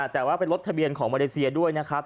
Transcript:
แต่ว่าเป็นรถทะเบียนของมาเลเซียด้วยนะครับ